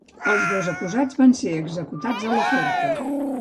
Els dos acusats van ser executats a la forca.